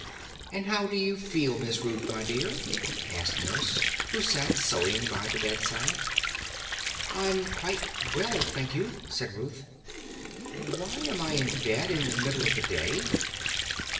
"And how do you feel, Miss Ruth, my dear?" asked Nurse, who sat sewing by the bedside. "I'm quite well, thank you," said Ruth. "Why am I in bed in the middle of the day?"